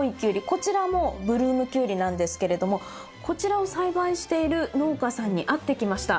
こちらもブルームキュウリなんですけれどもこちらを栽培している農家さんに会ってきました。